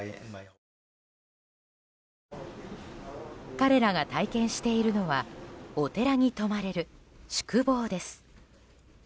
彼らが体験しているのはお寺に泊まれる宿坊です。